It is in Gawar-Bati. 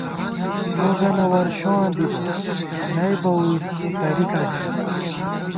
لوگَنہ ورشوواں دِبہ ، نئ بہ ووئی څرِکاں کی